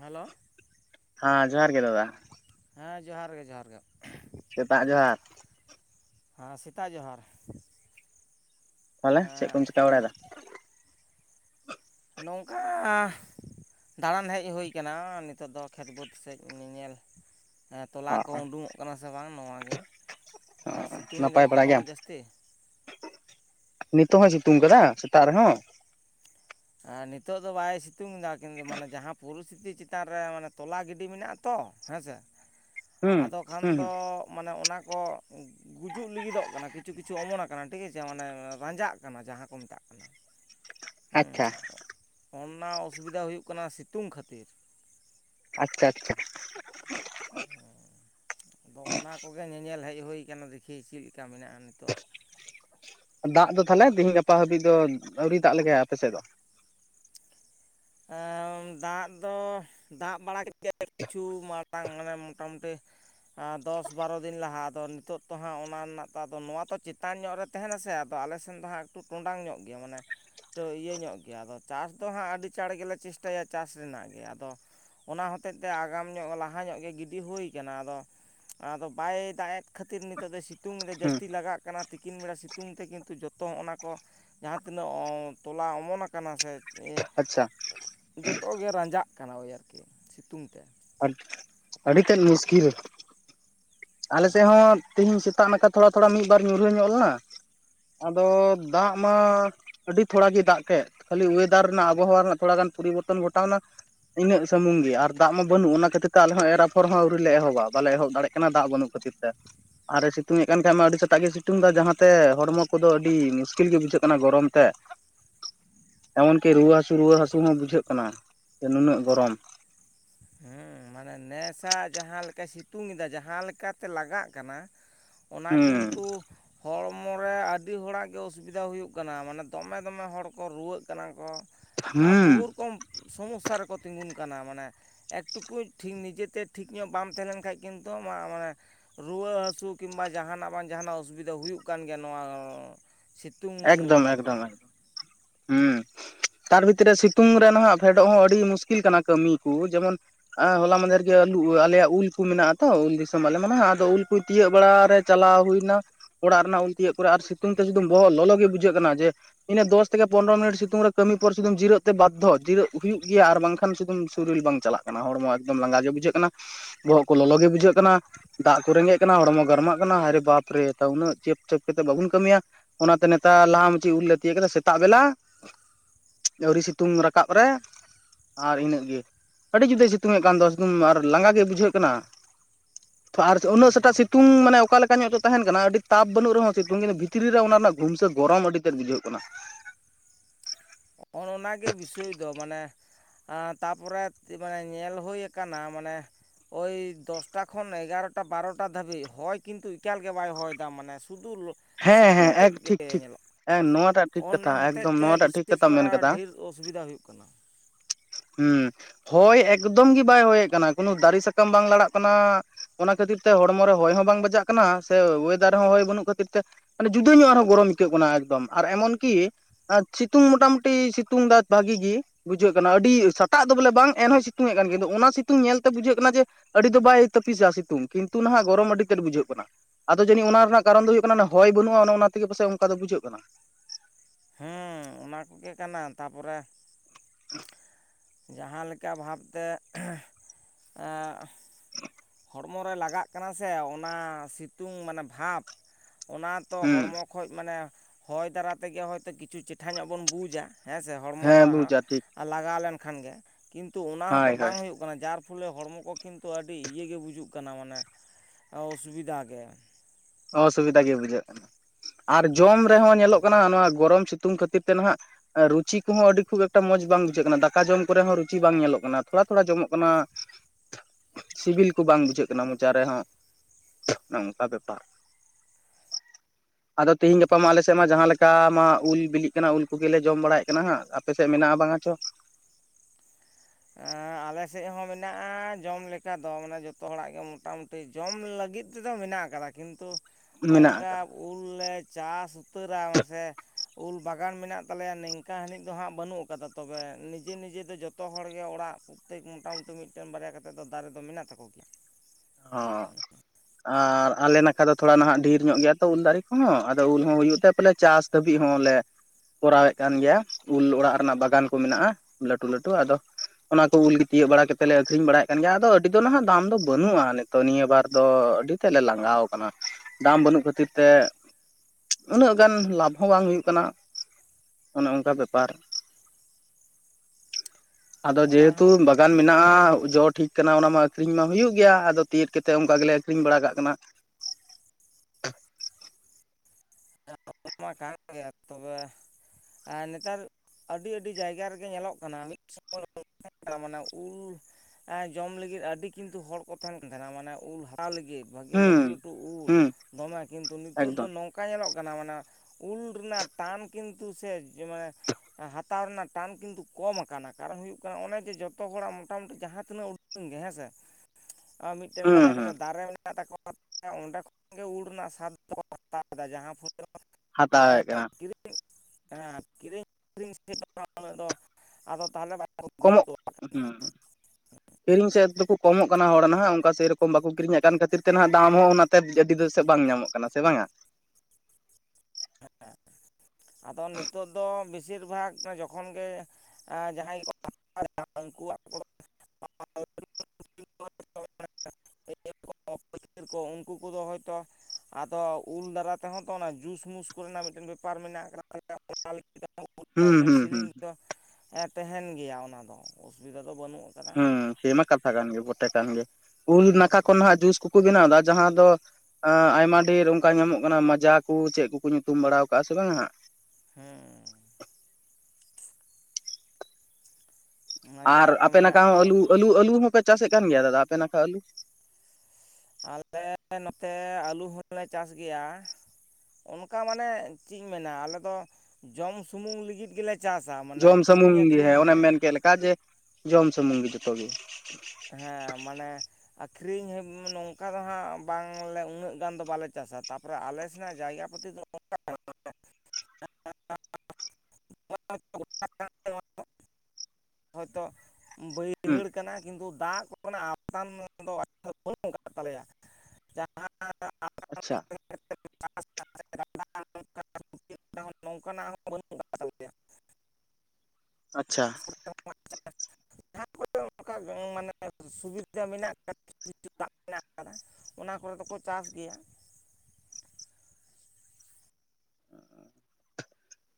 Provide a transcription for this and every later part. Hello ᱦᱮᱸ ᱡᱚᱦᱟᱨ ᱜᱮ ᱫᱟᱫᱟ ᱦᱮᱸ ᱡᱚᱦᱟᱨ ᱜᱮ ᱡᱚᱦᱟᱨ ᱜᱮ ᱥᱮᱛᱟᱜ ᱡᱚᱦᱟᱨ ᱦᱟᱸ ᱥᱮᱛᱟᱜ ᱡᱚᱦᱟᱨ ᱛᱟᱦᱚᱞᱮ ᱪᱮᱫ ᱠᱚᱢ ᱪᱤᱠᱟᱹ ᱵᱟᱲᱟᱭᱮᱫᱟ ᱱᱚᱝᱠᱟ ᱫᱟᱬᱟᱱ ᱦᱮᱡ ᱦᱩᱭ ᱠᱟᱱᱟ ᱱᱤᱛᱚᱜ ᱫᱚ ᱠᱷᱮᱛ ᱵᱟᱹᱫᱽ ᱥᱮᱫ ᱧᱮᱧᱮᱞ ᱛᱚᱞᱟ ᱠᱚ ᱩᱰᱩᱝᱚᱜ ᱠᱟᱱᱟ ᱥᱮ ᱵᱟᱝ ᱱᱚᱣᱟ ᱜᱮ ᱟᱨ ᱥᱤᱛᱩᱝ ᱫᱟᱭ ᱱᱟᱯᱟᱭ ᱛᱚ ᱵᱟᱲᱟ ᱫᱚᱢᱮ ᱜᱮᱭᱟᱢ ᱡᱟᱹᱥᱛᱤ ᱱᱤᱛᱚᱜ ᱦᱚᱭ ᱥᱤᱛᱩᱝ ᱠᱟᱫᱟ ᱥᱮᱛᱟᱜ ᱨᱮᱦᱚᱸ ᱟᱨ ᱱᱤᱛᱚᱜ ᱫᱚ ᱵᱟᱭ ᱥᱤᱛᱩᱝ ᱮᱫᱟ ᱠᱤᱱᱛᱩ ᱢᱟᱱᱮ ᱡᱟᱦᱟᱸ ᱯᱩᱨᱩᱥ ᱯᱛᱤᱛᱤ ᱪᱮᱛᱟᱱ ᱨᱮ ᱢᱟᱱᱮ ᱛᱚᱞᱟ ᱜᱤᱰᱤ ᱢᱮᱱᱟᱜ ᱛᱚ ᱦᱮᱸ ᱥᱮ ᱦᱩᱸ ᱟᱫᱚ ᱠᱷᱟᱱ ᱦᱩᱸ ᱦᱩᱸ ᱫᱚ ᱢᱟᱱᱮ ᱚᱱᱟ ᱠᱚ ᱜᱩᱡᱩᱜ ᱞᱟᱹᱜᱤᱫᱚᱜ ᱠᱟᱱᱟ ᱠᱤᱪᱷᱩ ᱠᱤᱪᱷᱩ ᱚᱢᱚᱱ ᱟᱠᱟᱱᱟ ᱴᱷᱤᱠ ᱟᱪᱷᱮ ᱢᱟᱱᱮ ᱨᱟᱸᱡᱟᱜ ᱠᱟᱱᱟ ᱡᱟᱦᱟᱸ ᱠᱚ ᱢᱮᱛᱟᱜ ᱠᱟᱱᱟ ᱻ ᱟᱪᱪᱷᱟ ᱚᱱᱟ ᱚᱥᱩᱵᱤᱫᱟ ᱦᱩᱭᱩᱜ ᱠᱟᱱᱟ ᱥᱤᱛᱩᱝ ᱠᱷᱟᱹᱛᱤᱨ ᱟᱪᱪᱷᱟ ᱟᱪᱪᱷᱟ ᱦᱳᱭ ᱠᱟᱱᱟ ᱫᱮᱠᱷᱤ ᱪᱮᱫ ᱞᱮᱠᱟ ᱢᱮᱱᱟᱜᱼᱟ ᱱᱤᱛᱚᱜ ᱫᱟᱜ ᱫᱚ ᱛᱟᱦᱚᱞᱮ ᱛᱮᱦᱮᱧ ᱜᱟᱯᱟ ᱦᱟᱹᱵᱤᱡ ᱫᱚ ᱟᱹᱣᱨᱤ ᱫᱟᱜ ᱞᱮᱜᱟᱭ ᱟᱯᱮ ᱥᱮᱫ ᱫᱚ ᱫᱟᱜ ᱫᱚ ᱫᱟᱜ ᱵᱟᱲᱟ ᱠᱮᱫ ᱟ ᱠᱤᱪᱷᱩ ᱢᱟᱲᱟᱝ ᱢᱟᱱᱮ ᱢᱳᱴᱟᱢᱩᱴᱤ ᱫᱚᱥ ᱵᱟᱨᱚ ᱫᱤᱱ ᱞᱟᱦᱟ ᱟᱫᱚ ᱱᱤᱛᱳ ᱛᱚ ᱦᱟᱸᱜ ᱚᱱᱟ ᱨᱮᱱᱟᱜ ᱛᱚ ᱱᱚᱣᱟ ᱛᱚ ᱪᱮᱛᱟᱱ ᱧᱚᱜ ᱨᱮ ᱛᱟᱦᱮᱱᱟ ᱥᱮ ᱟᱫᱚ ᱟᱞᱮᱥᱮᱱ ᱫᱚ ᱦᱟᱸᱜ ᱮᱠᱴᱩ ᱴᱚᱸᱰᱟᱝ ᱧᱚᱜ ᱜᱮᱭᱟ ᱢᱟᱱᱮ ᱮᱠᱴ ᱤᱭᱟᱹ ᱧᱚᱜ ᱜᱮᱭᱟ ᱟᱫᱚ ᱪᱟᱥ ᱫᱚ ᱦᱟᱸᱜ ᱟᱹᱰᱤ ᱪᱟᱬ ᱜᱮᱞᱮ ᱪᱮᱥᱴᱟᱭᱟ ᱪᱟᱥ ᱨᱮᱱᱟᱜ ᱜᱮ ᱟᱫᱚ ᱚᱱᱟ ᱦᱚᱛᱮᱜ ᱛᱮ ᱟᱜᱟᱢ ᱧᱚᱜ ᱞᱟᱦᱟ ᱧᱚᱜ ᱜᱮ ᱜᱤᱰᱤ ᱦᱩᱭ ᱠᱟᱱᱟ ᱟᱫᱚ ᱟᱫᱚ ᱵᱟᱭ ᱫᱟᱜ ᱮᱫ ᱠᱷᱟᱹᱛᱤᱨ ᱱᱤᱛᱳᱜ ᱫᱚ ᱥᱤᱛᱩᱝ ᱨᱮ ᱦᱩᱸ ᱡᱟᱹᱥᱛᱤ ᱞᱟᱜᱟᱜ ᱠᱟᱱᱟ ᱠᱟᱱᱟ ᱛᱤᱠᱤᱱ ᱵᱮᱲᱟ ᱥᱤᱛᱩᱝ ᱛᱮ ᱠᱤᱱᱛᱩ ᱡᱚᱛᱚ ᱚᱱᱟ ᱠᱚ ᱡᱟᱦᱟᱸ ᱛᱤᱱᱟᱹᱜ ᱛᱚᱞᱟ ᱚᱢᱚᱱ ᱟᱠᱟᱱᱟ ᱥᱮ ᱟᱪᱪᱷᱟ ᱡᱚᱛᱚᱜ ᱜᱮ ᱨᱟᱸᱡᱟᱜ ᱠᱟᱱᱟ ᱳᱭ ᱟᱨᱠᱤ ᱥᱤᱛᱩᱝ ᱛᱮ ᱟᱹᱰᱤ ᱛᱮᱫ ᱢᱩᱥᱠᱤᱞ ᱟᱞᱮ ᱥᱮᱫ ᱦᱚᱸ ᱛᱮᱦᱤᱧ ᱥᱮᱛᱟᱜ ᱛᱷᱚᱲᱟ ᱛᱷᱚᱲᱟ ᱢᱤᱫᱵᱟᱨ ᱧᱩᱨᱦᱟᱹ ᱧᱚᱜ ᱞᱮᱱᱟ ᱟᱫᱚ ᱫᱟᱜ ᱢᱟ ᱟᱹᱰᱤ ᱛᱷᱚᱲᱟ ᱜᱮᱭ ᱫᱟᱜ ᱠᱮᱫ ᱠᱷᱟᱹᱞᱤ ᱚᱭᱮᱫᱟᱨ ᱨᱮᱱᱟᱜ ᱟᱵᱚᱦᱟᱣᱟ ᱨᱮᱱᱟᱜ ᱛᱷᱚᱲᱟ ᱜᱟᱱ ᱯᱚᱨᱤᱵᱚᱨᱛᱚᱱ ᱜᱷᱚᱴᱟᱣᱱᱟ ᱤᱱᱟᱹᱜ ᱥᱩᱢᱩᱝ ᱜᱮ ᱟᱨ ᱫᱟᱜ ᱢᱟ ᱵᱟᱹᱱᱩᱜᱼᱟ ᱚᱱᱟ ᱠᱷᱟᱹᱛᱤᱨ ᱛᱮ ᱟᱞᱮ ᱦᱚᱸ ᱮᱨᱟᱯᱷᱚᱨ ᱦᱚᱸ ᱟᱹᱣᱨᱤ ᱞᱮ ᱮᱦᱚᱵᱟ ᱵᱟᱞᱮ ᱮᱦᱚᱵ ᱫᱟᱲᱮᱜ ᱠᱟᱱᱟ ᱫᱟᱜ ᱵᱟᱹᱱᱩᱜ ᱠᱷᱟᱹᱛᱤᱨ ᱛᱮ ᱟᱨᱮ ᱥᱤᱛᱩᱝ ᱮᱫ ᱠᱟᱱ ᱠᱷᱟᱡ ᱢᱟ ᱟᱹᱰᱤ ᱥᱮᱛᱟᱜ ᱜᱮᱭ ᱥᱤᱛᱩᱝ ᱮᱫᱟ ᱡᱟᱦᱟᱸᱛᱮ ᱦᱚᱲᱢᱚ ᱠᱚᱫᱚ ᱟᱹᱰᱤ ᱢᱩᱥᱠᱤᱞ ᱜᱮ ᱵᱩᱡᱷᱟᱹᱜ ᱠᱟᱱᱟ ᱜᱚᱨᱚᱢ ᱛᱮ ᱦᱮᱸ ᱮᱢᱚᱱᱠᱤ ᱨᱩᱣᱟᱹ ᱦᱟᱹᱥᱩ ᱨᱩᱣᱟᱹ ᱦᱟᱹᱥᱩ ᱦᱚᱸ ᱵᱩᱡᱷᱟᱹᱜ ᱠᱟᱱᱟ ᱡᱮ ᱱᱩᱱᱟᱹᱜ ᱜᱚᱨᱚᱢ ᱦᱮᱸ ᱢᱟᱱᱮ ᱱᱮᱥᱟᱜ ᱡᱟᱦᱟᱸᱮᱠᱟᱭ ᱥᱤᱛᱩᱝ ᱮᱫᱟ ᱡᱟᱦᱟᱸ ᱞᱮᱠᱟᱛᱮ ᱞᱟᱜᱟᱜ ᱠᱟᱱᱟ ᱚᱱᱟ ᱦᱩᱸ ᱠᱤᱱᱛᱩ ᱦᱚᱲᱢᱚ ᱨᱮ ᱟᱹᱰᱤ ᱦᱚᱲᱟᱜ ᱜᱮ ᱚᱥᱩᱵᱤᱫᱟ ᱦᱩᱭᱩᱜ ᱠᱟᱱᱟ ᱢᱟᱱᱮ ᱫᱚᱢᱮ ᱫᱚᱢᱮ ᱦᱚᱲᱠᱚ ᱨᱩᱣᱟᱹᱜ ᱠᱟᱱᱟ ᱠᱚ ᱟᱨ ᱦᱩᱸ ᱵᱚᱦᱩ ᱨᱚᱠᱚᱢ ᱥᱚᱢᱚᱥᱥᱟ ᱨᱮᱠᱚ ᱛᱤᱸᱜᱩᱱ ᱠᱟᱱᱟ ᱢᱟᱱᱮ ᱮᱠᱴᱩᱠᱩᱡᱷᱤᱠ ᱱᱤᱡᱮᱛᱮ ᱴᱷᱤᱠ ᱧᱚᱜ ᱵᱟᱢ ᱛᱟᱦᱮᱸᱞᱮᱱ ᱠᱷᱟᱡ ᱠᱤᱱᱛᱩ ᱢᱟᱱᱮ ᱨᱩᱣᱟᱹᱼ ᱦᱟᱹᱥᱩ ᱠᱤᱢᱵᱟ ᱡᱟᱦᱟᱱᱟᱜ ᱵᱟᱝ ᱡᱟᱦᱟᱱᱟᱜ ᱚᱥᱩᱵᱤᱫᱷᱟ ᱦᱩᱭᱩᱜ ᱠᱟᱱ ᱜᱮᱭᱟ ᱱᱚᱣᱟ ᱥᱤᱛᱩᱝ ᱮᱠᱫᱚᱢ ᱞᱚᱞᱚ ᱛᱮ ᱮᱠᱫᱚᱢ ᱮᱠᱫᱚᱢ ᱦᱩᱸ ᱛᱟᱨ ᱵᱷᱤᱛᱨᱤ ᱨᱮ ᱥᱤᱛᱩᱝ ᱨᱮ ᱱᱟᱦᱟᱜ ᱯᱷᱮᱰᱚᱜ ᱦᱚᱸ ᱟᱹᱰᱤ ᱢᱩᱥᱠᱤᱞ ᱠᱟᱱᱟ ᱠᱟᱹᱢᱤ ᱠᱚ ᱡᱮᱢᱚᱱ ᱦᱚᱞᱟ ᱢᱟᱫᱷᱮᱨ ᱜᱮ ᱟᱞᱮᱭᱟᱜ ᱩᱞ ᱠᱚ ᱢᱮᱱᱟᱜᱼᱟ ᱛᱚ ᱩᱞ ᱫᱤᱥᱚᱢᱟᱜᱞᱮ ᱢᱟᱱᱟ ᱟᱫᱚ ᱩᱞ ᱠᱚ ᱛᱤᱭᱳᱜ ᱵᱟᱲᱟ ᱪᱟᱞᱟᱣ ᱦᱩᱭ ᱮᱱᱟ ᱚᱲᱟᱜ ᱨᱮᱱᱟᱜ ᱩᱞ ᱛᱤᱭᱳᱜ ᱠᱚᱨᱮ ᱟᱨ ᱥᱤᱛᱩᱝ ᱛᱮ ᱥᱩᱫᱩᱢ ᱵᱚᱦᱚᱜ ᱞᱚᱞᱚ ᱜᱮ ᱵᱩᱡᱷᱟᱹᱜ ᱠᱟᱱᱟ ᱡᱮ ᱤᱱᱟᱹ ᱫᱚᱥ ᱛᱷᱠᱮ ᱯᱚᱱᱨ ᱢᱤᱱᱤ ᱥᱤᱛᱩᱝ ᱨᱮ ᱠᱟᱹᱢᱤ ᱯᱚᱨ ᱥᱩᱫᱩ ᱡᱤᱨᱟᱹᱜ ᱛᱮ ᱵᱟᱫᱽᱫᱚ ᱡᱤᱨᱟᱹᱜ ᱦᱩᱭᱩᱜ ᱜᱮᱭᱟ ᱟᱨ ᱵᱟᱝᱠᱷᱟᱱ ᱥᱩᱫᱩᱢ ᱥᱚᱨᱤᱨ ᱵᱟᱝ ᱪᱟᱞᱟᱜ ᱠᱟᱱᱟ ᱦᱚᱲᱢᱚ ᱮᱠᱫᱚᱢ ᱞᱟᱸᱜᱟ ᱜᱮ ᱵᱩᱡᱷᱟᱹᱜ ᱠᱟᱱᱟ ᱵᱚᱦᱚᱜ ᱠᱚ ᱞᱚᱞᱚᱜ ᱜᱮ ᱵᱩᱡᱷᱟᱹᱜ ᱠᱟᱱᱟ ᱫᱟᱜ ᱠᱚ ᱨᱮᱸᱜᱮᱡ ᱠᱟᱱᱟ ᱦᱚᱲᱢᱚ ᱜᱚᱨᱢᱟᱜ ᱠᱟᱱᱟ ᱦᱟᱭ ᱵᱟᱯ ᱨᱮ ᱩᱱᱟᱹᱜ ᱪᱮᱯ ᱪᱮᱯ ᱠᱟᱛᱮᱫ ᱵᱟᱵᱚᱱ ᱠᱟᱹᱢᱤᱭᱟ ᱚᱱᱟᱛᱮ ᱱᱮᱛᱟᱨ ᱞᱟᱦᱟ ᱢᱟᱪᱮᱫ ᱩᱞ ᱞᱮ ᱛᱤᱭᱳᱜ ᱠᱮᱫᱟ ᱥᱮᱛᱟᱜ ᱵᱮᱞᱟ ᱟᱹᱣᱨᱤ ᱥᱤᱛᱩᱝ ᱨᱟᱠᱟᱵ ᱨᱮ ᱟᱨ ᱤᱱᱟᱹᱜ ᱜᱮ ᱟᱹᱰᱤ ᱡᱩᱫᱟᱹ ᱥᱤᱛᱩᱝ ᱮᱫ ᱠᱟᱱ ᱫᱚ ᱡᱩᱫᱟᱹ ᱟᱨ ᱞᱟᱸᱜᱟ ᱜᱮ ᱵᱩᱡᱷᱟᱹᱜ ᱠᱟᱱᱟ ᱟᱨ ᱩᱱᱟᱹᱜᱴᱟᱜ ᱥᱤᱛᱩᱝ ᱢᱟᱱᱮ ᱚᱠᱟᱮ ᱞᱮᱠᱟ ᱧᱚᱜ ᱫᱚ ᱛᱟᱦᱮᱱ ᱠᱟᱱᱟ ᱟᱹᱰᱤ ᱛᱟᱯ ᱵᱟᱹᱱᱩᱜ ᱨᱮᱦᱚᱸ ᱥᱤᱛᱩᱝ ᱠᱤᱱᱛᱩ ᱵᱷᱤᱛᱨᱤ ᱨᱮ ᱚᱱᱟ ᱜᱩᱢᱥᱮ ᱜᱚᱨᱚᱢ ᱟᱹᱰᱤᱛᱮᱫ ᱵᱩᱡᱷᱟᱹᱜ ᱠᱟᱱᱟ ᱦᱚᱸᱜᱼ ᱚᱱᱟᱜᱮ ᱵᱤᱥᱚᱭ ᱫᱚ ᱢᱟᱱᱮ ᱛᱟᱨᱯᱚᱨᱮ ᱢᱟᱱᱮ ᱧᱮᱞ ᱦᱩᱭ ᱠᱟᱱᱟ ᱢᱟᱱᱮ ᱳᱭ ᱫᱚᱥᱴᱟ ᱠᱷᱚᱱ ᱮᱜᱟᱨᱚᱴᱟ ᱵᱟᱨᱚᱴᱟ ᱫᱷᱟᱹᱵᱤᱡ ᱦᱚᱭ ᱠᱤᱱᱛᱩ ᱮᱠᱟᱞᱜᱮ ᱵᱟᱭ ᱦᱚᱭᱮᱫᱟ ᱢᱟᱱᱮ ᱥᱩᱫᱷᱩ ᱦᱮᱸ ᱦᱮᱸ ᱥᱤᱛᱩᱝ ᱮᱠ ᱛᱮᱫ ᱜᱮ ᱴᱷᱤᱠ ᱴᱷᱤᱠ ᱧᱮᱞᱚᱜ ᱮᱠ ᱱᱚᱣᱟᱴᱟᱜ ᱴᱷᱤᱠ ᱠᱟᱛᱷᱟ ᱮᱠᱫᱚᱢ ᱱᱚᱣᱟᱴᱟᱜ ᱴᱷᱤᱠ ᱠᱟᱛᱷᱟ ᱠᱚ ᱨᱮ ᱰᱷᱮᱨ ᱚᱥᱩᱵᱤᱫᱟ ᱦᱩᱭᱩᱜ ᱠᱟᱱᱟ ᱦᱮᱸ ᱦᱚᱭ ᱮᱠᱫᱚᱢ ᱜᱮ ᱵᱟᱭ ᱦᱚᱭᱮᱫ ᱠᱟᱱᱟ ᱠᱳᱱᱳ ᱫᱟᱨᱮ ᱥᱟᱠᱟᱢ ᱵᱟᱝ ᱞᱟᱲᱟᱜ ᱠᱟᱱᱟ ᱚᱱᱟ ᱠᱷᱟᱹᱛᱤᱨ ᱛᱮ ᱦᱚᱲᱢᱚ ᱨᱮ ᱦᱚᱭ ᱦᱚᱸ ᱵᱟᱝ ᱵᱟᱡᱟᱜ ᱠᱟᱱᱟ ᱥᱮ ᱚᱭᱮᱫᱟᱨ ᱦᱚᱸ ᱦᱚᱭ ᱵᱟᱹᱱᱩᱜ ᱠᱷᱟᱹᱛᱤᱨ ᱛᱮ ᱢᱟᱱᱮ ᱡᱩᱫᱟᱹ ᱧᱚᱜ ᱟᱨᱦᱚᱸ ᱜᱚᱨᱚᱢ ᱟᱹᱭᱠᱟᱹᱜ ᱠᱟᱱᱟ ᱮᱠᱫᱚᱢ ᱟᱨ ᱮᱢᱚᱱᱠᱤ ᱥᱤᱛᱩᱝ ᱢᱚᱴᱟᱢᱩᱴᱤ ᱥᱤᱛᱩᱝ ᱫᱟ ᱵᱷᱟᱜᱤ ᱜᱮ ᱵᱩᱡᱷᱟᱹᱜ ᱠᱟᱱᱟ ᱟᱹᱰᱤ ᱥᱟᱴᱟᱜ ᱫᱚ ᱵᱚᱞᱮ ᱵᱟᱝ ᱮᱱᱦᱚᱸᱭ ᱥᱤᱛᱩᱝ ᱮ ᱠᱟᱱ ᱜᱮᱭᱟ ᱚᱱᱟ ᱥᱤᱛᱩᱝ ᱧᱮᱞ ᱛᱮ ᱵᱩᱡᱷᱟᱹᱜ ᱠᱟᱱᱟ ᱡᱮ ᱟᱹᱰᱤ ᱫᱚ ᱵᱟᱭ ᱛᱟᱹᱯᱤᱥᱟ ᱥᱤᱛᱩᱝ ᱠᱤᱱᱛᱩ ᱱᱟᱦᱟᱜ ᱜᱚᱨᱚᱢ ᱟᱹᱰᱤ ᱛᱮᱫ ᱵᱩᱡᱷᱟᱹᱜ ᱠᱟᱱᱟ ᱟᱫᱚ ᱡᱟᱹᱱᱤᱡ ᱚᱱᱟ ᱨᱮᱱᱟᱜ ᱠᱟᱨᱚᱱ ᱫᱚ ᱦᱩᱭᱩᱜ ᱠᱟᱱᱟ ᱦᱚᱭ ᱵᱟᱹᱱᱩᱜᱼᱟ ᱚᱱᱮ ᱚᱱᱟ ᱛᱮᱜᱮ ᱯᱟᱥᱮᱡ ᱚᱱᱠᱟ ᱫᱚ ᱵᱩᱡᱷᱟᱹᱜ ᱠᱟᱱᱟ ᱦᱮᱸ ᱚᱱᱟ ᱠᱚᱜᱮ ᱠᱟᱱᱟ ᱛᱟᱨ ᱯᱚᱨᱮ [unintelligible] ᱡᱟᱦᱟᱸ ᱞᱮᱠᱟ ᱵᱷᱟᱵᱽᱛᱮ ᱦᱚᱲᱢᱚ ᱨᱮ ᱞᱟᱜᱟᱜ ᱠᱟᱱᱟ ᱥᱮ ᱚᱱᱟ ᱥᱤᱛᱩᱝ ᱢᱟᱱᱮ ᱵᱷᱟᱵᱽ ᱚᱱᱟ ᱛᱚ ᱦᱩᱸ ᱦᱚᱲᱢᱚ ᱠᱷᱚᱱ ᱢᱟᱱᱮ ᱦᱚᱭ ᱫᱟᱨᱟ ᱛᱮᱜᱮ ᱦᱚᱭ ᱛᱳ ᱠᱤᱪᱷᱩ ᱪᱮᱴᱷᱟ ᱧᱚᱜ ᱵᱚᱱ ᱵᱩᱡᱟ ᱦᱮᱸ ᱥᱮ ᱦᱚᱲᱢᱚ ᱦᱮᱸ ᱨᱮ ᱵᱩᱡᱟ ᱴᱷᱤᱠ ᱞᱟᱜᱟᱣ ᱞᱮᱱ ᱠᱷᱟᱱ ᱜᱮ ᱠᱤᱱᱛᱩ ᱚᱱᱟ ᱦᱳᱭ ᱦᱚᱸᱛᱚ ᱦᱳᱭ ᱵᱟᱝ ᱦᱩᱭᱩᱜ ᱠᱟᱱᱟ ᱡᱟᱨ ᱛᱟᱨ ᱯᱷᱚᱞᱮ ᱦᱚᱲᱢᱚ ᱠᱚ ᱠᱤᱱᱛᱩ ᱟᱹᱰᱤ ᱤᱭᱟᱹ ᱜᱮ ᱵᱩᱡᱩᱜ ᱠᱟᱱᱟ ᱢᱟᱱᱮ ᱚᱥᱩᱵᱤᱫᱷᱟ ᱜᱮ ᱚᱥᱩᱵᱤᱫᱟ ᱜᱮ ᱵᱩᱡᱷᱟᱹᱜ ᱠᱟᱱᱟ ᱟᱨ ᱡᱚᱢ ᱨᱮᱦᱚᱸ ᱧᱮᱞᱚᱜ ᱠᱟᱱᱟ ᱱᱚᱣᱟ ᱜᱚᱨᱚᱢ ᱥᱤᱛᱩᱝ ᱠᱷᱟᱹᱛᱤᱨ ᱛᱮ ᱱᱟᱦᱟᱜ ᱨᱩᱪᱤ ᱠᱚᱦᱚᱸ ᱟᱹᱰᱤ ᱠᱷᱩᱵ ᱮᱠᱴᱟ ᱢᱚᱡᱽ ᱵᱟᱝ ᱵᱩᱡᱷᱟᱹᱜ ᱠᱟᱱᱟ ᱫᱟᱠᱟ ᱡᱚᱢ ᱠᱚᱨᱮ ᱦᱚᱸ ᱨᱩᱪᱤ ᱵᱟᱝ ᱧᱮᱞᱚᱜ ᱠᱟᱱᱟ ᱛᱷᱚᱲᱟ ᱛᱷᱚᱲᱟ ᱡᱚᱢᱚᱜ ᱠᱟᱱᱟ ᱥᱤᱵᱤᱞ ᱠᱚ ᱵᱟᱝ ᱵᱩᱡᱷᱟᱹᱜ ᱠᱟᱱᱟ ᱢᱚᱪᱟ ᱨᱮᱦᱚᱸ ᱱᱚᱝᱠᱟ ᱵᱮᱯᱟᱨ [unintelligible] ᱟᱫᱚ ᱛᱤᱦᱤᱧ ᱜᱟᱯᱟ ᱢᱟ ᱟᱞᱮ ᱥᱮᱫ ᱢᱟ ᱡᱟᱦᱟᱸ ᱞᱮᱠᱟ ᱢᱟ ᱩᱞ ᱵᱤᱞᱤᱜ ᱠᱟᱱᱟ ᱩᱞ ᱠᱚᱜᱮ ᱞᱮ ᱡᱚᱢ ᱵᱟᱲᱟᱭᱮᱫ ᱠᱟᱱᱟ ᱦᱟᱸᱜ ᱟᱯᱮ ᱥᱮᱫ ᱢᱮᱱᱟᱜᱼᱟ ᱵᱟᱝ ᱟᱪᱚ ᱟᱨ ᱟᱞᱮ ᱥᱮᱫ ᱦᱚᱸ ᱢᱮᱱᱟᱜᱼᱟ ᱡᱚᱢ ᱞᱮᱠᱟ ᱫᱚ ᱢᱟᱱᱮ ᱡᱚᱛᱚ ᱦᱚᱲᱟᱜ ᱜᱮ ᱢᱚᱴᱟᱢᱩᱴᱤ ᱡᱚᱢ ᱞᱟᱹᱜᱤᱫ ᱛᱮᱫᱚ ᱢᱮᱱᱟᱜᱼᱟ ᱟᱠᱟᱫᱟ ᱠᱤᱱᱛᱩ ᱢᱮᱱᱟᱜ ᱚᱱᱠᱟ ᱟᱠᱟᱫᱟ ᱩᱞ ᱞᱮ ᱪᱟᱥ ᱩᱛᱟᱹᱨᱟ ᱢᱟᱥᱮ ᱩᱞ ᱵᱟᱜᱟᱱ ᱢᱮᱱᱟᱜ ᱛᱟᱞᱮᱭᱟ ᱱᱤᱝᱠᱟ ᱦᱟᱹᱱᱤᱡ ᱫᱚ ᱦᱟᱸᱟᱜ ᱵᱟᱹᱱᱩᱜ ᱟᱠᱟᱫᱟ ᱛᱚᱵᱮ ᱱᱤᱡᱮ ᱱᱤᱡᱮ ᱫᱚ ᱡᱚᱛᱚ ᱦᱚᱲᱮ ᱮ ᱚᱲᱟᱜ ᱯᱨᱚᱛᱛᱮᱠ ᱢᱚᱴᱟᱢᱩᱴᱤ ᱢᱤᱫᱴᱮᱱ ᱵᱟᱨᱭᱟ ᱠᱟᱛᱮᱫ ᱫᱚ ᱫᱟᱨᱮ ᱫᱚ ᱢᱮᱱᱟᱜ ᱛᱟᱠᱚ ᱜᱮᱭᱟ ᱦᱚᱸ ᱟᱨ ᱟᱞᱮ ᱱᱟᱠᱷᱟ ᱫᱚ ᱛᱷᱚᱲᱟ ᱱᱟᱦᱟᱜ ᱰᱷᱮᱨ ᱧᱚᱜ ᱜᱮᱭᱟ ᱛᱚ ᱩᱞ ᱫᱟᱨᱮ ᱠᱚᱦᱚᱸ ᱟᱫᱚ ᱩᱞ ᱦᱚᱸ ᱦᱩᱭᱩᱜ ᱛᱮ ᱪᱟᱥ ᱫᱷᱟᱹᱵᱤᱡ ᱦᱚᱸ ᱞᱮ ᱠᱚᱨᱟᱣᱮᱫ ᱠᱟᱱ ᱜᱮᱭᱟ ᱩᱞ ᱚᱲᱟᱜ ᱨᱮᱱᱟᱜ ᱵᱟᱜᱟᱱ ᱠᱚ ᱢᱮᱱᱟᱜᱼᱟ ᱞᱟᱹᱴᱩ ᱞᱟᱹᱴᱩ ᱟᱫᱚ ᱚᱱᱟ ᱠᱚ ᱩᱞᱜᱮ ᱛᱤᱭᱳᱟᱹᱜ ᱵᱟᱲᱟ ᱠᱟᱛᱮᱫ ᱞᱮ ᱟᱠᱷᱨᱤᱧ ᱵᱟᱲᱟᱭᱮᱫ ᱠᱟᱱ ᱜᱮᱭᱟ ᱟᱫᱚ ᱟᱹᱰᱤ ᱫᱚ ᱱᱟᱦᱟᱜ ᱫᱟᱢ ᱫᱚ ᱵᱟᱹᱱᱩᱜᱼᱟ ᱱᱤᱛᱚᱜ ᱱᱤᱭᱟᱹ ᱵᱟᱨ ᱫᱚ ᱟᱹᱰᱤ ᱛᱮᱫ ᱞᱮ ᱞᱟᱸᱜᱟᱣ ᱠᱟᱱᱟ ᱫᱟᱢ ᱵᱟᱹᱱᱩᱜ ᱠᱷᱟᱹᱛᱤᱨ ᱛᱮ ᱩᱱᱟᱹᱜ ᱜᱟᱱ ᱞᱟᱵᱷ ᱦᱚᱸ ᱵᱟᱝ ᱦᱩᱭᱩᱜ ᱠᱟᱱᱟ ᱚᱱᱮ ᱚᱱᱠᱟ ᱵᱮᱯᱟᱨ [unintelligible] ᱟᱫᱚ ᱚᱱᱟ ᱡᱮᱦᱮᱛᱩ ᱦᱚᱸ ᱵᱟᱜᱟᱱ ᱢᱮᱱᱟᱜᱼᱟ ᱡᱚ ᱴᱷᱤᱠ ᱠᱟᱱᱟ ᱚᱱᱟ ᱢᱟ ᱟᱠᱷᱨᱤᱧ ᱢᱟ ᱦᱩᱭᱩᱜ ᱜᱮᱭᱟ ᱟᱫᱚ ᱛᱤᱭᱳᱜ ᱠᱟᱛᱮ ᱚᱱᱠᱟ ᱜᱮᱞᱮ ᱟᱠᱷᱨᱤᱧ ᱵᱟᱲᱟ ᱠᱟᱜ ᱠᱟᱱᱟ ᱚᱱᱟ ᱢᱟ ᱠᱟᱱ ᱜᱮᱭᱟ ᱛᱚᱵᱮ ᱟᱨ ᱱᱮᱛᱟᱨ ᱟᱹᱰᱤ ᱟᱹᱰᱤ ᱡᱟᱭᱜᱟ ᱨᱮᱜᱮ ᱧᱮᱞᱚᱜ ᱠᱟᱱᱟ ᱢᱤᱫ ᱥᱚᱢᱚᱭ ᱢᱟᱱᱮ ᱩᱞ ᱡᱚᱢ ᱞᱟᱹᱜᱤᱫ ᱟᱹᱰᱤ ᱠᱤᱱᱛᱩ ᱦᱚᱲ ᱠᱚ ᱛᱟᱦᱮᱱ ᱠᱟᱱ ᱛᱟᱦᱮᱱᱟ ᱢᱟᱱᱮ ᱩᱞ ᱦᱟᱛᱟᱣ ᱞᱟᱹᱜᱤᱫ ᱵᱷᱟᱜ ᱵᱷᱟᱜᱤ ᱦᱩᱸ ᱞᱟᱹᱴᱩ ᱞᱟᱹᱴᱩ ᱩᱞ ᱦᱩᱸ ᱫᱚᱢᱮ ᱠᱤᱱᱛᱩ ᱱᱤᱛᱚᱜ ᱫᱚ ᱮᱠᱫᱚᱢ ᱱᱚᱝᱠᱟ ᱧᱮᱞᱚᱜ ᱠᱟᱱᱟ ᱢᱟᱱᱮ ᱩᱞ ᱨᱮᱱᱟᱜ ᱴᱟᱱ ᱠᱤᱱᱛᱩ ᱥᱮ ᱢᱟᱱᱮ ᱦᱟᱛᱟᱣ ᱨᱮᱱᱟᱜ ᱴᱟᱱ ᱠᱤᱱᱛᱩ ᱠᱚᱢ ᱟᱠᱟᱱᱟ ᱠᱟᱨᱚᱱ ᱦᱩᱭᱩᱜ ᱠᱟᱱᱟ ᱚᱱᱮ ᱡᱮ ᱡᱚᱛᱚ ᱦᱚᱲᱟᱜ ᱢᱳᱚᱴᱟᱢᱩᱴᱤ ᱡᱟᱦᱟᱸ ᱛᱤᱱᱟᱹᱜ ᱩᱰᱠᱝ ᱜᱮ ᱦᱮᱸᱥᱮ ᱟᱨ ᱢᱤᱫᱴᱮᱱ ᱦᱩᱸ ᱵᱟᱨᱭᱟ ᱦᱩᱸ ᱠᱟᱛᱮᱫ ᱫᱟᱨᱮ ᱢᱮᱱᱟᱜ ᱛᱟᱠᱚᱣᱟ ᱚᱸᱰᱮ ᱠᱷᱚᱱᱜ ᱜᱮ ᱩᱞ ᱨᱮᱱᱟᱜ ᱥᱟᱫ ᱫᱚᱠᱚ ᱦᱟᱛᱟᱣᱟ ᱡᱟᱦᱟᱸ ᱦᱟᱛᱟᱣᱮᱫ ᱠᱟᱱᱟ ᱠᱤᱨᱤᱧ ᱦᱮᱸ ᱠᱤᱨᱤᱧ ᱟᱹᱨᱤᱧ ᱩᱱᱟᱹᱜ ᱫᱚ ᱟᱫᱚ ᱛᱟᱦᱚᱞᱮ ᱵᱟᱝ ᱠᱚᱢᱚᱜ ᱠᱤᱨᱤᱧ ᱥᱮᱫ ᱫᱚᱠᱚ ᱠᱚᱢᱚᱜ ᱠᱟᱱᱟ ᱦᱚᱲ ᱱᱟᱦᱟᱜ ᱚᱱᱠᱟ ᱥᱮᱨᱚᱠᱚᱢ ᱵᱟᱠᱚ ᱠᱤᱨᱤᱧᱮᱫ ᱠᱟᱱ ᱠᱷᱟᱹᱛᱤᱨ ᱛᱮ ᱱᱟᱦᱟᱜ ᱫᱟᱢ ᱦᱚᱸ ᱚᱱᱟᱛᱮ ᱟᱹᱰᱤ ᱫᱚ ᱥᱮᱫ ᱵᱟᱝ ᱧᱟᱢᱚᱜ ᱠᱟᱱᱟ ᱥᱮ ᱵᱟᱝᱟ [unintelligible] [unintelligible] ᱟᱫᱚ ᱱᱤᱛᱳᱜ ᱫᱚ ᱵᱮᱥ ᱵᱮᱥᱤᱨ ᱵᱷᱟᱜᱽ ᱡᱚᱠᱷᱚᱱ ᱜᱮ ᱡᱟᱦᱟᱸᱭ ᱠᱚ [inaudible] ᱩᱱᱠᱩᱣᱟᱜ ᱠᱚ [inaudible] ᱠᱚ ᱩᱱᱠᱩ ᱠᱚᱫᱚ ᱦᱭᱛᱚ ᱟᱫᱚ ᱩᱞ ᱫᱟᱨᱟ ᱛᱮᱦᱚᱸ ᱛᱚ ᱚᱱᱟ ᱡᱩᱥᱢᱩᱥ ᱠᱚ ᱨᱮᱱᱟᱜ ᱢᱤᱫᱴᱮᱱ ᱵᱮᱯᱟᱨ ᱢᱮᱱᱟᱜᱼᱟ [inaudible] ᱦᱩᱸ ᱢᱤᱫᱴᱮᱱ ᱦᱩᱸ ᱦᱩᱸ ᱥᱤᱞᱤᱝ ᱫᱚ ᱦᱮᱸ ᱛᱟᱦᱮᱱ ᱜᱮᱭᱟ ᱚᱱᱟ ᱫᱚ ᱚᱥᱩᱵᱤᱫᱟ ᱫᱚ ᱵᱟᱹᱱᱩᱜ ᱟᱠᱟᱫᱟ ᱦᱮᱸ ᱥᱮᱢᱟ ᱠᱟᱛᱷᱟ ᱠᱟᱱ ᱜᱮ ᱵᱚᱴᱮ ᱠᱟᱱ ᱜᱮ ᱩᱞ ᱱᱟᱠᱷᱟ ᱠᱷᱚᱱ ᱱᱟᱟᱜ ᱡᱩᱥ ᱠᱚᱠᱩ ᱵᱮᱱᱟᱣ ᱮᱫᱟ ᱡᱟᱦᱟᱸ ᱫᱚ ᱟᱭᱢᱟ ᱰᱷᱮᱨ ᱚᱱᱠᱟ ᱧᱟᱢᱚᱜ ᱠᱟᱱᱟ ᱢᱟᱡᱟ ᱠᱚ ᱪᱮᱫ ᱠᱚᱠᱚ ᱧᱩᱛᱩᱢ ᱵᱟᱲᱟ ᱠᱟᱜᱼᱟ ᱥᱮ ᱵᱟᱝᱟ ᱦᱟᱸᱜ ᱦᱮᱸ ᱟᱨ ᱢᱟᱸᱡᱟ ᱠᱚ ᱟᱯᱮ ᱱᱟᱠᱷᱟ ᱢᱮᱱᱟᱜ ᱦᱚᱸ ᱟᱠᱟᱫᱟ ᱟᱹᱞᱩ ᱟᱹᱞᱩ ᱟᱹᱞᱩ ᱦᱚᱸᱯᱮ ᱪᱟᱥᱮᱫ ᱠᱟᱱ ᱜᱮᱭᱟ ᱫᱟᱫᱟ ᱟᱯᱮ ᱱᱟᱠᱷᱟ ᱟᱹᱞᱩ ᱟᱞᱮ ᱱᱚᱛᱮ ᱟᱹᱞᱩ ᱦᱚᱸᱞᱮ ᱪᱟᱥ ᱜᱮᱭᱟ ᱚᱱᱠᱟ ᱢᱟᱱᱮ ᱪᱮᱫ ᱤᱧ ᱢᱮᱱᱟ ᱟᱞᱮ ᱫᱚ ᱡᱚᱢ ᱥᱩᱢᱩᱝ ᱞᱟᱹᱜᱤᱫ ᱜᱮᱞᱮ ᱪᱟᱥᱟ ᱢᱟᱱᱮ ᱡᱚᱢ ᱥᱩᱢᱩᱝ ᱠᱤᱨᱤᱧ ᱜᱮ ᱟᱹᱠᱷᱨᱤᱧ ᱦᱮᱸ ᱚᱱᱮᱢ ᱢᱮᱱ ᱠᱮᱫ ᱞᱮᱠᱟ ᱡᱮ ᱡᱚᱢ ᱥᱩᱢᱩᱝ ᱜᱮ ᱡᱚᱛᱚ ᱜᱮ ᱦᱮᱸ ᱢᱟᱱᱮ ᱟᱹᱠᱷᱨᱤᱧ ᱱᱚᱝᱠᱟ ᱫᱚ ᱦᱟᱸᱜ ᱵᱟᱝᱞᱮ ᱩᱱᱟᱹᱜ ᱜᱟᱱ ᱫᱚ ᱵᱟᱞᱮ ᱪᱟᱥᱟ ᱛᱟᱯᱚᱨᱮ ᱟᱞᱮ ᱥᱮᱱᱟᱜ ᱡᱟᱭᱜᱟ ᱯᱟᱹᱛᱤ [unintelligible] [unintelligible] [unintelligible] ᱦᱚᱭᱛᱳ ᱦᱩᱸ ᱵᱟᱹᱭᱦᱟᱹᱲ ᱠᱟᱱᱟ ᱠᱤᱱᱛᱩ ᱫᱟᱜ ᱠᱚ ᱟᱫᱟᱱ ᱫᱚ ᱵᱟᱹᱱᱩᱜ ᱟᱠᱟᱫ ᱛᱟᱞᱮᱭᱟ ᱡᱟᱦᱟᱸ [inaudible] ᱟᱪᱪᱷᱟ [unintelligible] ᱱᱚᱝᱠᱟᱱᱟᱜ ᱦᱚᱸ ᱵᱟᱹᱱᱩᱜᱼᱟ ᱜᱮᱭᱟ ᱟᱪᱪᱷᱟ [inaudible] ᱦᱮᱸ ᱢᱟᱱᱮ ᱥᱩᱵᱤᱫᱷᱟ ᱢᱮᱱᱟᱜ ᱟᱠᱟᱫᱟᱤᱷᱩ ᱫᱟᱜ ᱢᱮᱱᱟᱜ ᱟᱠᱟᱫᱟ ᱚᱱᱟ ᱠᱚᱨᱮ ᱫᱚ ᱠᱚ ᱪᱟᱥ ᱜᱮᱭᱟ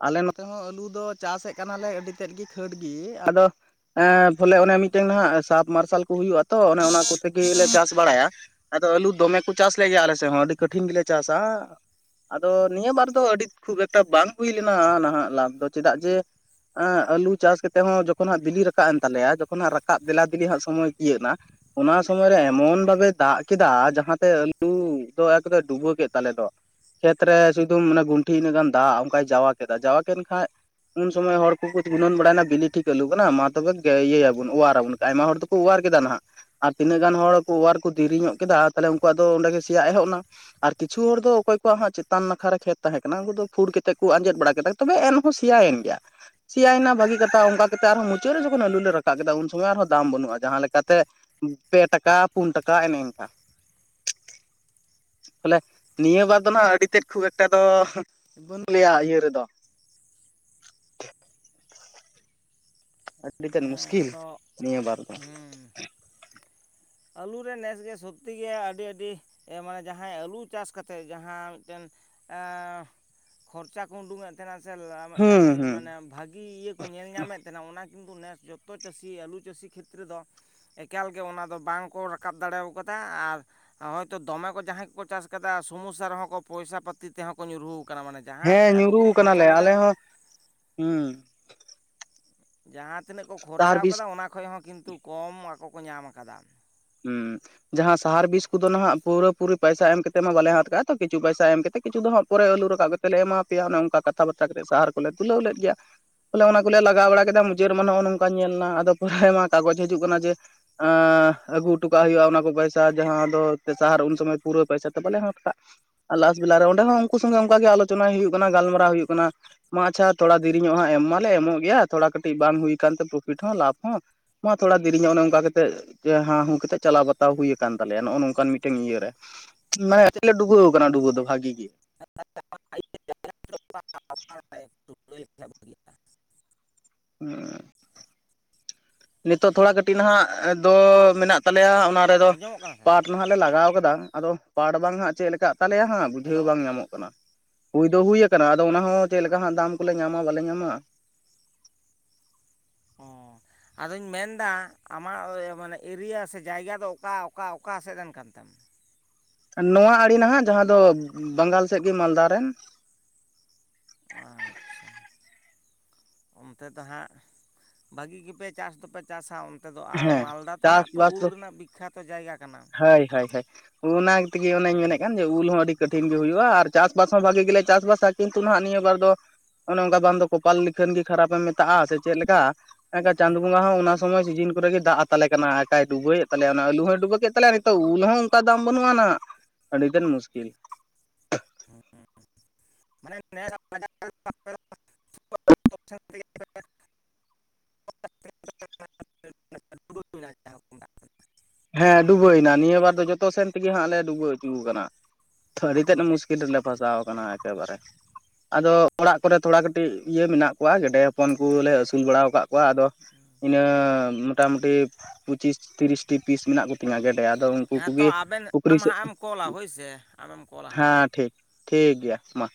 ᱟᱞᱮ ᱱᱚᱛᱮ ᱦᱚᱸ ᱟᱹᱞᱩ ᱫᱚ ᱪᱟᱥᱮᱫ ᱠᱟᱱᱟᱞᱮ ᱟᱹᱰᱤ ᱛᱮᱫ ᱜᱮ ᱠᱷᱟᱹᱴ ᱜᱮ ᱟᱫᱚ ᱮ ᱯᱷᱚᱞᱮ ᱚᱱᱮ ᱢᱤᱫᱴᱮᱱ ᱥᱟᱯ ᱢᱟᱨᱥᱟᱞ ᱠᱚ ᱦᱩᱭᱩᱜᱼᱟ ᱛᱚ ᱚᱱᱮ ᱚᱱᱟ ᱠᱚᱛᱮᱜᱮ ᱪᱟᱥ ᱵᱟᱲᱟᱭᱟ ᱟᱫᱚ ᱟᱹᱞᱩ ᱫᱚᱢᱮ ᱠᱚ ᱪᱟᱥ ᱞᱮ ᱜᱮᱭᱟ ᱟᱞᱮ ᱥᱮᱫ ᱦᱚᱸ ᱟᱹᱰᱤ ᱠᱟᱹᱴᱤᱡ ᱠᱚᱴᱷᱤᱱ ᱜᱮᱞᱮ ᱪᱟᱥᱟ ᱟᱫᱚ ᱱᱤᱭᱟᱹ ᱵᱟᱨ ᱫᱚ ᱟᱹᱰᱤ ᱠᱷᱩᱵ ᱮᱠᱴᱟ ᱵᱟᱝ ᱦᱩᱭ ᱞᱮᱱᱟ ᱱᱟᱦᱟᱜ ᱞᱟᱵᱷ ᱫᱚ ᱪᱮᱫᱟᱜ ᱡᱮ ᱮᱸ ᱟᱞᱩ ᱪᱟᱥ ᱠᱟᱛᱮᱮᱫ ᱦᱚᱸ ᱡᱚᱠᱷᱚᱱᱜ ᱵᱤᱞᱤ ᱨᱟᱠᱟᱵ ᱮᱱ ᱛᱟᱞᱮᱭᱟ ᱡᱚᱠᱷᱚᱱ ᱨᱟᱵ ᱫᱮᱞᱟ ᱫᱮ ᱦᱟᱸᱜ ᱥᱚᱢᱚᱭ ᱛᱤᱭᱟᱹᱜ ᱮᱱᱟ ᱚᱱᱟ ᱥᱚᱢᱚᱭᱨᱮ ᱮᱢᱚᱱ ᱵᱷᱟᱵᱮ ᱫᱟᱜ ᱠᱮᱫᱟ ᱡᱟᱦᱟᱸᱛᱮ ᱟᱹᱞᱩ ᱫᱚ ᱮᱠ ᱰᱩᱵᱟᱹ ᱠᱮᱫ ᱛᱟᱞᱮ ᱫᱚ ᱠᱷᱮᱛᱨᱮ ᱥᱩᱫᱷᱩ ᱢᱟᱱᱮ ᱜᱩᱱᱴᱷᱤ ᱤᱱᱟᱹᱜ ᱜᱟᱱ ᱫᱟᱜ ᱚᱱᱠᱟᱭ ᱡᱟᱣᱟ ᱠᱮᱫᱟ ᱡᱟᱣᱟ ᱠᱮᱫ ᱠᱷᱟᱱᱡ ᱩᱱ ᱥᱚᱢᱚᱭ ᱦᱚᱲ ᱠᱚᱠᱚ ᱜᱩᱱᱟᱹᱱ ᱵᱟᱲᱟᱭᱱᱟ ᱵᱤᱞᱤ ᱴᱷᱤᱠ ᱟᱞᱩ ᱠᱟᱱᱟ ᱢᱟ ᱛᱚᱵᱮ ᱤᱭᱟᱹᱭᱟᱵᱚᱱ ᱚᱣᱟᱨ ᱟᱵᱚᱱ ᱟᱭᱢᱟ ᱦᱚᱲ ᱫᱚᱠᱚ ᱚᱣᱟᱨ ᱠᱮᱫᱟ ᱱᱟᱱᱟᱜ ᱟᱨ ᱛᱤᱱᱟᱹᱜ ᱜᱟᱱ ᱦᱚᱲ ᱚᱣᱟᱨ ᱠᱚ ᱫᱮᱨᱤ ᱧᱚᱜ ᱠᱮᱫᱟ ᱛᱟᱦᱚᱞᱮ ᱩᱱᱠᱩᱣᱟᱜ ᱫᱚ ᱚᱸᱰᱮ ᱜᱮ ᱥᱮᱭᱟᱜ ᱮᱦᱚᱵ ᱮᱱᱟ ᱟᱨ ᱠᱤᱪᱷᱩ ᱦᱚᱲ ᱫᱚ ᱚᱠᱚᱭ ᱠᱚᱣᱟᱜ ᱦᱟᱸᱜ ᱪᱮᱛᱟᱱ ᱱᱟᱠᱷᱟᱟᱨ ᱠᱷᱮᱛ ᱛᱟᱦᱮᱸ ᱠᱟᱱᱟ ᱩᱱᱠᱩ ᱫᱚ ᱯᱷᱩᱲᱛ ᱠᱚ ᱟᱸᱡᱮᱫ ᱵᱟᱲᱟ ᱠᱮᱫᱟ ᱛᱚᱵᱮ ᱮᱱᱦᱚᱸ ᱥᱮᱭᱟᱭᱮᱱ ᱜᱮᱭᱟ ᱥᱮᱭᱟᱭᱮᱱᱟ ᱵᱷᱟᱹᱜᱤ ᱠᱟᱛᱷᱟ ᱚᱱᱠᱟᱛᱮᱫ ᱟᱨᱦᱚᱸ ᱢᱩᱪᱟᱹᱫ ᱨᱮ ᱡᱚᱠᱷᱚᱱ ᱟᱹᱞᱩ ᱞᱮ ᱨᱟᱠᱟᱵ ᱠᱮᱫᱟ ᱩᱱ ᱥᱚᱢᱚᱭ ᱟᱨᱦᱚᱸ ᱫᱟᱢ ᱵᱟᱹᱱᱩᱜᱼᱟ ᱡᱟᱦᱟᱸ ᱞᱮᱠᱟᱛᱮ ᱯᱮ ᱴᱟᱠᱟ ᱯᱩᱱ ᱴᱟᱠᱟ ᱮᱚᱱᱮ ᱚᱱᱠᱟ [inaudible] ᱵᱚᱞᱮ ᱱᱤᱭᱟᱹ ᱵᱟᱨ ᱫᱚ ᱟᱸᱜ ᱟᱹᱰᱤ ᱛᱮᱫ ᱠᱷᱩᱵ ᱮᱠᱴᱟ ᱫᱚ ᱵᱟᱹᱱ ᱞᱟᱹᱭᱟ ᱤᱭᱟᱹ ᱨᱮᱫᱚ [inaudible] ᱟᱹᱰᱤ ᱛᱮᱫ ᱦᱮᱸ ᱢᱩᱥᱠᱤᱞ ᱟᱫᱚ ᱱᱤᱭᱟᱹ ᱵᱟᱨ ᱫᱚ ᱟᱹᱞᱩᱮ ᱱᱮᱥᱜᱮ ᱥᱚᱠᱛᱤ ᱜᱮ ᱟᱹᱰᱤ ᱟᱹᱰᱤ ᱢᱟᱱᱮ ᱡᱟᱦᱟᱸᱭ ᱟᱹᱞᱩ ᱪᱟᱥ ᱠᱟᱛᱮᱫ ᱡᱟᱦᱟᱸ ᱢᱤᱫᱴᱮᱱ ᱦᱸᱮ ᱠᱷᱚᱨᱪᱟ ᱠᱚ ᱩᱰᱩᱝᱮᱫ ᱛᱟᱦᱮᱱᱟ ᱥᱮ ᱦᱩᱸ ᱢᱤᱫᱴᱮᱱ ᱦᱩᱸ ᱢᱟᱱᱮ ᱵᱷᱟᱹᱜᱤ ᱤᱭᱟᱹ ᱠᱚ ᱧᱮᱞ ᱧᱟᱢᱮᱫ ᱛᱟᱦᱮᱱᱟ ᱚᱱᱟ ᱠᱤᱱᱛᱩ ᱱᱮᱥ ᱡᱚᱛᱚ ᱪᱟᱹᱥᱤ ᱟᱹᱞᱩ ᱪᱟᱹᱥᱤ ᱠᱷᱮᱛᱨᱮ ᱫᱚ ᱮᱠᱟᱞ ᱜᱮ ᱚᱱᱟ ᱫᱚ ᱵᱟᱝ ᱠᱚ ᱨᱟᱠᱟᱵ ᱫᱟᱲᱮᱣ ᱠᱟᱫᱟ ᱟᱨ ᱦᱚᱭᱛᱚ ᱫᱚᱢᱮ ᱠᱚ ᱡᱟᱦᱟᱸᱭ ᱠᱚᱠᱚ ᱪᱟᱥ ᱟᱠᱟᱫᱟ ᱥᱚᱢᱚᱥᱥᱟ ᱨᱮᱦᱚᱸ ᱠᱚ ᱯᱚᱭᱥᱟ ᱯᱟ ᱯᱟᱹᱛᱤ ᱛᱮᱦᱚᱸ ᱠᱚ ᱧᱩᱨᱩᱦᱩ ᱦᱮᱸ ᱧᱩᱨᱩᱣ ᱠᱟᱱᱟᱞᱮ ᱟᱞᱮ ᱦᱚᱸ ᱦᱮᱸ ᱦᱩᱸ ᱡᱟᱦᱟᱸ ᱛᱤᱱᱟᱹᱜ ᱠᱚ ᱥᱟᱦᱟᱨ ᱠᱷᱚᱨᱪᱟᱣ ᱵᱤᱥ ᱠᱟᱫᱟ ᱚᱱᱟ ᱠᱷᱚᱡ ᱦᱚᱸ ᱠᱤᱱᱛᱩ ᱠᱚᱢ ᱟᱠᱚ ᱠᱚ ᱧᱟᱢ ᱟᱠᱟᱫᱟ ᱦᱩᱸᱢ ᱡᱟᱦᱟᱸ ᱥᱟᱦᱟᱨ ᱵᱤᱥ ᱠᱚᱫᱚ ᱱᱟᱦᱟᱜ ᱯᱩᱨᱟᱹ ᱯᱩᱨᱤ ᱯᱟᱭᱥᱟ ᱮᱢ ᱠᱟᱛᱮᱜ ᱢᱟ᱾ ᱵᱟᱞᱮ ᱦᱟᱛ ᱠᱟᱜᱼᱟ ᱛᱚ ᱠᱤᱪᱷᱩ ᱯᱟᱭᱥᱟ ᱮᱢ ᱠᱟᱛᱮᱜ ᱠᱤᱪᱷᱩ ᱫᱚ ᱦᱟᱸᱜ ᱯᱚᱨᱮ ᱟᱞᱩ ᱨᱟᱠᱟᱵ ᱠᱟᱛᱮ ᱞᱮ ᱮᱢᱟ ᱯᱮᱭᱟ ᱚᱱᱮ ᱚᱱᱠᱟ ᱠᱟᱛᱷᱟ ᱵᱟᱛᱛᱟ ᱠᱟᱛᱮᱮᱫ ᱥᱟᱦᱟᱨ ᱠᱚᱞᱮ ᱛᱩᱞᱟᱹᱣ ᱞᱮᱫ ᱜᱮᱭᱟ᱾ ᱵᱚᱞᱮ ᱚᱱᱟᱠᱞᱮ ᱞᱟᱜᱟᱣ ᱵᱟᱲᱟ ᱠᱮᱫᱟ᱾ ᱡᱮᱫ ᱢᱟ ᱱᱚᱜᱼᱚ ᱱᱚᱝᱠᱟ ᱧᱮᱞᱱᱟ ᱟᱫᱚ ᱯᱚᱨᱮᱢᱟ ᱠᱟᱜᱚᱡᱽ ᱦᱤᱡᱩᱜ ᱠᱟᱱᱟ ᱡᱮ ᱟᱻ ᱟᱹᱜᱩ ᱦᱚᱴᱚ ᱠᱟᱜ ᱦᱩᱭᱩᱜᱼᱟ ᱚᱱᱟ ᱠᱚ ᱯᱚᱭᱥᱟ ᱡᱟᱦᱟᱸ ᱫᱚ ᱯᱮ ᱥᱟᱦᱟᱨ ᱩᱱ ᱥᱚᱢᱚᱭ ᱯᱩᱨᱟᱹ ᱯᱚᱭᱥᱟ ᱛᱮ ᱵᱟᱞᱮ ᱦᱟᱴ ᱠᱟᱜ ᱟᱨ ᱞᱟᱥ ᱟᱨ ᱚᱸᱰᱮ ᱦᱚᱸ ᱩᱱᱠᱩ ᱥᱚᱸᱜᱮ ᱚᱱᱠᱟ ᱜᱮ ᱟᱞᱳᱚᱱᱟ ᱦᱩᱭᱩᱜ ᱠᱟᱱᱟ᱾ ᱜᱟᱞᱢᱟᱨᱟᱣ ᱦᱩᱭᱩᱜ ᱠᱟᱱᱟ ᱢᱟ ᱟᱪᱪᱷᱟ ᱛᱷᱚᱲᱟ ᱫᱮᱨᱤ ᱧᱚᱜ ᱦᱟᱜ ᱮᱢ ᱢᱟᱞᱮ ᱮᱢ ᱮᱢᱚᱜ ᱜᱮᱭᱟ ᱛᱷᱚᱲᱟ ᱠᱟᱹᱴᱤᱡ ᱵᱟᱝ ᱦᱩᱭᱭᱟ ᱟᱠᱟᱱᱛᱮ ᱯᱨᱚᱯᱷᱤᱴ ᱦᱚᱸ ᱞᱟᱵᱷ ᱦᱚᱸ ᱢᱟ ᱛᱷᱚᱲᱟ ᱫᱮᱨᱤ ᱧᱚᱜ ᱚᱱᱮ ᱚᱱᱠᱟ ᱠᱟᱛᱮ ᱡᱮ ᱦᱟᱸ ᱦᱩᱸ ᱠᱟᱛᱮᱫ ᱪᱟᱞᱟᱣ ᱵᱟᱛᱟᱣ ᱦᱩᱭ ᱟᱠᱟᱱ ᱛᱟᱞᱮᱭᱟ ᱱᱚᱜᱼᱟ᱾ ᱱᱚᱝᱠᱟᱱ ᱢᱤᱫᱴᱮᱱ ᱤᱭᱟ ᱨᱮ ᱢᱟᱱᱮ ᱪᱮᱫ ᱞᱮ ᱰᱩᱵᱟᱹᱣ ᱟᱠᱟᱱᱟ ᱰᱩ ᱵᱟᱣ ᱫᱚ ᱵᱷᱟᱜᱤ ᱜᱮ [inaudible] ᱦᱮᱸ ᱱᱤᱛᱚᱜ ᱛᱷᱚᱲᱟ ᱠᱟᱹᱴᱤᱡ ᱱᱟᱦᱟᱜ ᱫᱚ ᱢᱮᱱᱟᱜ ᱛᱟᱞᱮᱭᱟ ᱚᱱᱟ ᱨᱮᱫᱚ ᱟᱸᱡᱚᱢᱚᱜ ᱠᱟᱱᱟ ᱥᱮ ᱯᱟᱴ ᱱᱟᱦᱟᱜ ᱞᱮ ᱞᱟᱜᱟᱣ ᱟᱠᱟᱫᱟ᱾ ᱟᱫᱚ ᱯᱟᱴ ᱵᱟᱝ ᱦᱟᱜ ᱪᱮᱫ ᱞᱮᱠᱟ ᱛᱟᱞᱮᱭᱟ ᱦᱟᱜ ᱵᱩᱡᱷᱟᱹᱣ ᱦᱮᱞᱳ ᱵᱟᱝ ᱧᱟᱢᱚᱜ ᱠᱟᱱᱟ? ᱦᱩᱭ ᱫᱚ ᱦᱩᱭ ᱟᱠᱟᱱᱟ᱾ ᱟᱫᱚ ᱚᱱᱟ ᱦᱚᱸ ᱪᱮᱫ ᱞᱮᱠᱟ ᱦᱟᱜ ᱫᱟᱢ ᱠᱚᱞᱮ ᱧᱟᱢᱟ ᱵᱟᱞᱮ ᱧᱟᱢᱟ? [inaudible] ᱚᱸ ᱟᱫᱚᱧ ᱢᱮᱱᱫᱟ ᱟᱢᱟᱜ ᱳᱭᱼᱢᱟᱱᱮ ᱮᱨᱤᱭᱟ ᱥᱮ ᱡᱟᱭᱜᱟ ᱫᱚ ᱚᱠᱟ ᱚᱠᱟ ᱚᱠᱟ ᱥᱮᱫ ᱨᱮᱱ ᱠᱟᱱ ᱛᱮᱢ? ᱱᱚᱣᱟ ᱟᱲᱮ ᱱᱟᱦᱟᱜ ᱡᱟᱦᱟᱸ ᱫᱚ ᱵᱟᱝᱜᱟᱞ ᱥᱮᱫ ᱜᱮ ᱢᱟᱞᱫᱟ ᱨᱮᱱ ᱟᱪᱪᱷᱟ ᱚᱱᱛᱮ ᱫᱚ ᱦᱟᱸᱜ ᱵᱷᱟᱹᱜᱤ ᱜᱮᱯᱮ ᱪᱟᱥ ᱫᱚᱯᱮ ᱪᱟᱥ ᱦᱟ ᱚᱱ ᱛᱮᱫᱚ ᱟᱨ ᱦᱮᱸ ᱢᱟᱞᱫᱟ ᱛᱚ ᱦᱟᱸᱜ ᱛᱚ ᱩᱞ ᱨᱮᱱᱟᱜ ᱵᱤᱠᱠᱷᱟᱛᱚ ᱡᱟᱭᱜᱟ ᱠᱟᱱᱟ ᱦᱟᱹᱭ ᱦᱟᱹᱭ ᱦᱟᱹᱭ ᱚᱱᱟ ᱛᱮᱜᱮ ᱚᱱᱮᱧ ᱦᱩᱸ ᱢᱮᱱᱮᱜ ᱠᱟᱱ ᱡᱮ ᱩᱞ ᱦᱚᱸ ᱟᱹᱰᱤ ᱦᱩᱸ ᱠᱟᱹᱴᱷᱤᱱ ᱜᱮ ᱦᱩᱭᱩᱜᱼᱟ ᱟᱨ ᱪᱟᱥᱵᱟᱥ ᱦᱚᱸ ᱵᱷᱟᱜᱤ ᱜᱮᱞᱮ ᱪᱟᱥᱵᱟᱥᱟ ᱠᱤᱱᱛᱩ ᱱᱟᱜᱟᱜ ᱱᱤᱭᱟᱹ ᱵᱟᱨ ᱫᱚ ᱚᱱᱮ ᱚᱱᱠᱟ ᱵᱟᱝ ᱫᱚ ᱠᱚᱯᱟᱞ ᱞᱤᱠᱷᱟᱹᱱ ᱜᱮ ᱠᱷᱟᱨᱟᱯ ᱮᱢ ᱢᱮᱛᱟᱜᱼᱟ ᱥᱮ ᱪᱮᱫ ᱞᱮᱠᱟ ᱮᱱᱠᱷᱟᱱ ᱪᱟᱸᱫ ᱵᱚᱸᱜᱟ ᱦᱚᱸ ᱚᱱᱟ ᱥᱚᱢᱚᱭ ᱥᱤᱡᱤᱱ ᱠᱚᱨᱮ ᱜᱮ ᱫᱟᱜ ᱟᱛᱟᱞᱮ ᱠᱟᱱᱟ᱾ ᱟᱠᱟᱭ ᱰᱩᱵᱟᱹ ᱮᱫ ᱛᱟᱞᱮᱭᱟ ᱚᱱᱟ ᱟᱹᱞᱩ ᱦᱚᱸᱭ ᱰᱩᱵᱟᱹ ᱠᱮᱫ ᱛᱟᱞᱮ ᱱᱤᱛᱚᱜ ᱩᱞ ᱦᱚᱸ ᱚᱱᱠᱟ ᱫᱟᱢ ᱵᱟᱹᱱᱩᱜ ᱟᱱᱟ ᱟᱹᱰᱤ ᱜᱟᱱ ᱢᱩᱥᱠᱤᱞ [inaudible] ᱢᱟᱱᱮ ᱱᱮᱥ ᱟᱜ ᱵᱟᱡᱟᱨ ᱛᱮ ᱜᱮ ᱟᱯᱮ ᱫᱚ [unintelligible] ᱦᱮᱸ ᱰᱩᱵᱟᱹᱭᱱᱟ ᱱᱤᱭᱟᱹ ᱵᱟᱨ ᱫᱚ ᱡᱚᱛᱚ ᱥᱮᱱ ᱛᱮᱜᱮ ᱦᱟᱸᱜ ᱞᱮ ᱰᱩᱵᱟᱹᱣ ᱦᱚᱪᱩᱣ ᱠᱟᱱᱟ᱾ ᱟᱹᱰᱤ ᱛᱮᱫ ᱢᱩᱥᱠᱤᱞ ᱨᱮᱞᱮ ᱯᱷᱟᱥᱟᱣ ᱟᱠᱟᱱᱟ ᱮᱠᱮᱵᱟᱨᱮ ᱟᱫᱚ ᱚᱲᱟᱜ ᱠᱚᱨᱮᱜ ᱛᱷᱚᱲᱟ ᱠᱟᱹᱴᱤᱡ ᱤᱭᱟᱹ ᱢᱮᱱᱟᱜ ᱠᱚᱣᱟ ᱜᱮᱰᱮ ᱦᱚᱯᱚᱱ ᱠᱩ ᱞᱮ ᱟᱹᱥᱩᱞ ᱵᱟᱲᱟ ᱟᱠᱟᱫ ᱠᱚᱣᱟ ᱟᱫᱚ ᱤᱱᱟᱹ ᱢᱚᱴᱟ ᱢᱩᱴᱤ ᱯᱩᱪᱤᱥ ᱛᱤᱨᱤᱥ ᱴᱤ ᱯᱤᱥ ᱢᱮᱱᱟᱜ ᱠᱚᱛᱤᱧᱟ ᱜᱮᱰᱮ ᱟᱫᱚ ᱩᱱᱠᱩ ᱦᱮᱸ ᱛᱚ ᱠᱩᱜᱤ ᱟᱵᱮᱱ ᱯᱩᱠᱷᱨᱤ ᱟᱢ ᱥᱮᱫ ᱦᱟᱸᱜ ᱮᱢ ᱦᱩᱸ ᱠᱚᱞᱟ ᱦᱳᱭᱥᱮ ᱟᱢᱮᱢ ᱠᱚᱞᱟ ᱦᱟᱸᱜ ᱦᱮᱸ ᱴᱷᱤᱠ ᱴᱷᱤᱠ ᱜᱮᱭᱟ ᱢᱟ᱾